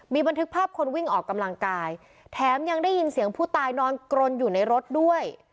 บันทึกภาพคนวิ่งออกกำลังกายแถมยังได้ยินเสียงผู้ตายนอนกรนอยู่ในรถด้วย